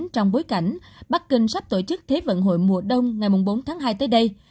trong bối cảnh bắc kinh sắp tổ chức thế vận hội mùa đông ngày bốn tháng hai tới đây